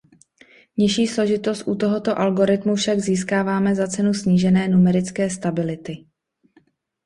Nižší složitost u tohoto algoritmu však získáváme za cenu snížené numerické stability.